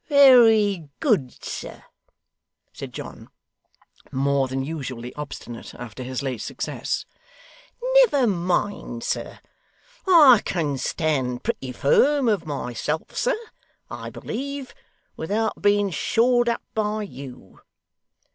'Very good, sir,' said John, more than usually obstinate after his late success. 'Never mind, sir. I can stand pretty firm of myself, sir, I believe, without being shored up by you.